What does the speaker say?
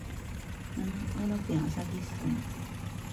長野県朝日村